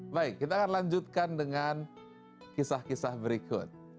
baik kita akan lanjutkan dengan kisah kisah berikut